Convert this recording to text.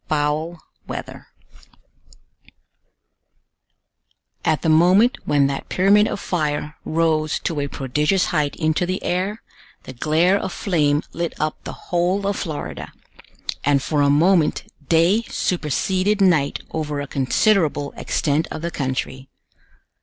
FOUL WEATHER At the moment when that pyramid of fire rose to a prodigious height into the air, the glare of flame lit up the whole of Florida; and for a moment day superseded night over a considerable extent of the country.